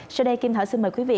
sau đây kim thảo xin mời quý vị